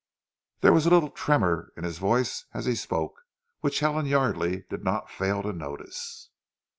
There was a little tremor in his voice as he spoke which Helen Yardely did not fail to notice.